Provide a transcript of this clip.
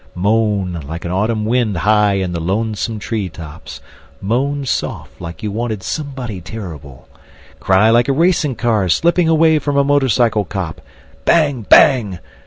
Moan like an autumn wind high in the lonesome tree tops, moan soft like you wanted somebody terrible, cry like a racing car slipping away from a motorcycle cop, bang bang!